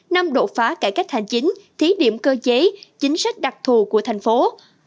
năm đột phá cải cách hành chính thí điểm cơ chế chính sách đặc thù của tp hcm